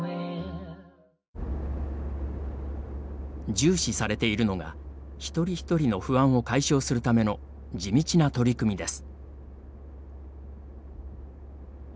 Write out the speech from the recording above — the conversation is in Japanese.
重視されているのが一人一人の不安を解消するための地道な取り組みです。